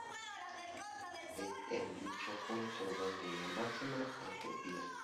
Es en dicho punto donde tiene la máxima entropía.